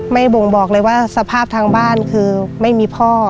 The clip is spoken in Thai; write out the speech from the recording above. บ่งบอกเลยว่าสภาพทางบ้านคือไม่มีพ่อ